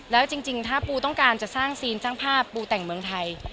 แล้วจริงถ้าปูต้องการจะสร้างซีนสร้างภาพปูแต่งเมืองไทย